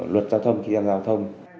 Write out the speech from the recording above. luật giao thông khi giao thông